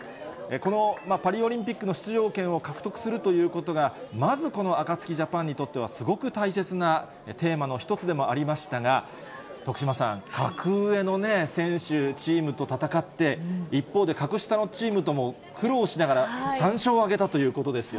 このパリオリンピックの出場権を獲得するということがまず、このアカツキジャパンにとっては、すごく大切なテーマの一つでもありましたが、徳島さん、格上の選手、チームと戦って、一方で、格下のチームとも苦労しながら３勝を挙げたということですよ。